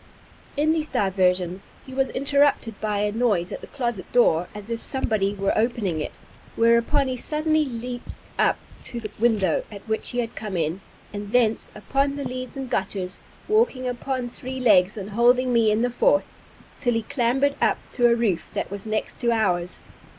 In these diversions he was interrupted by a noise at the closet door, as if somebody were opening it; whereupon he suddenly leaped up to the window, at which he had come in, and thence upon the leads and gutters, walking upon three legs, and holding me in the fourth, till he clambered up to a roof that was next to ours.